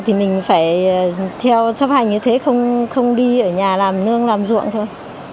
thì mình phải theo chấp hành như thế không đi ở nhà làm nương làm ruộng thôi